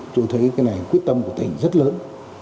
tôi thấy cái này quyết tâm của tỉnh rất lớn